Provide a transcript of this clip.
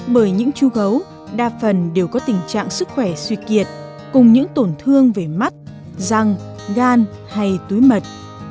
bởi những chú gấu đa phần đều có tình trạng sức khỏe suy kiệt cùng những tổn thương về mắt răng gan hay túi mật